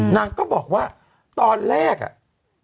นางก็บอกว่าตอนแรกอ่ะ